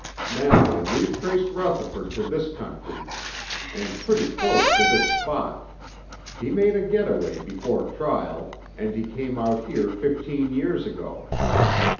Now, we've traced Rutherford to this country, and pretty close to this spot. He made a getaway before trial, and he came out here fifteen years ago.